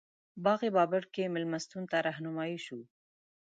باغ بابر کې مېلمستون ته رهنمایي شوو.